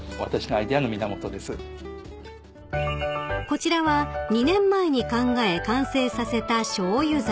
［こちらは２年前に考え完成させたしょうゆ皿］